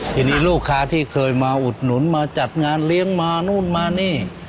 ทีนี้ลูกค้าที่เคยมาอุดหนุนมาจัดงานเลี้ยงมานู่นมานี่